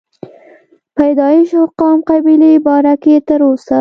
پيدائش او قام قبيلې باره کښې تر اوسه